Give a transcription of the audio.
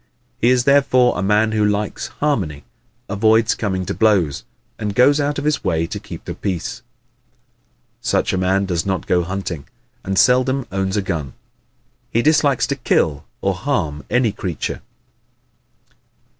He is therefore a man who likes harmony, avoids coming to blows, and goes out of his way to keep the peace. Such a man does not go hunting and seldom owns a gun. He dislikes to kill or harm any creature.